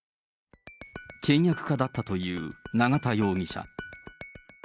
倹約家だったという永田容疑者。